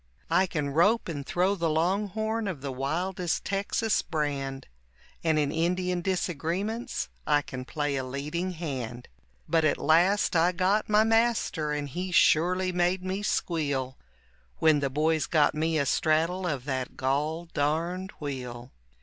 I can rope and throw the longhorn of the wildest Texas brand, And in Indian disagreements I can play a leading hand, But at last I got my master and he surely made me squeal When the boys got me a straddle of that gol darned wheel.